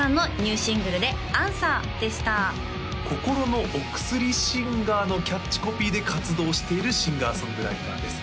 「心のお薬シンガー」のキャッチコピーで活動しているシンガー・ソングライターです